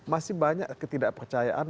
masih banyak ketidakpercayaan